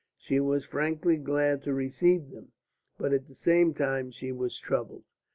She was frankly glad to receive them, but at the same time she was troubled.